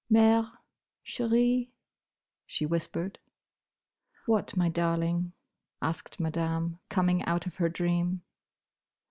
"Mère, chérie," she whispered. "What, my darling?" asked Madame, coming out of her dream.